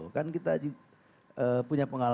kan kita punya pengalaman